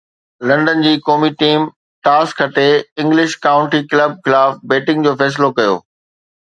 London جي قومي team toss کٽي انگلش ڪائونٽي ڪلب خلاف بيٽنگ جو فيصلو ڪيو